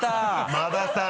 馬田さん。